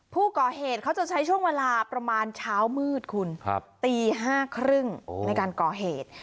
ผู้ก่อเหตุเขาจะใช้ช่วงเวลาประมาณเช้ามืดคุณตี๕๓๐ในการก่อเหตุ